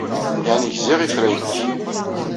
Yeɛni gziɣ ifrayen-nnek.